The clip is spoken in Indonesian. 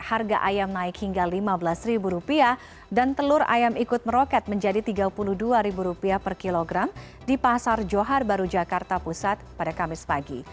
harga ayam naik hingga rp lima belas dan telur ayam ikut meroket menjadi rp tiga puluh dua per kilogram di pasar johar baru jakarta pusat pada kamis pagi